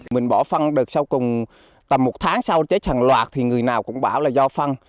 mình bỏ phân đợt sau cùng tầm một tháng sau chết hàng loạt thì người nào cũng bảo là do phân